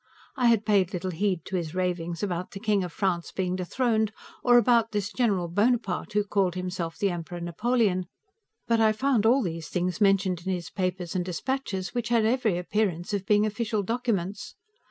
I had paid little heed to his ravings about the King of France being dethroned, or about this General Bonaparte who called himself the Emperor Napoleon, but I found all these things mentioned in his papers and dispatches, which had every appearance of being official documents.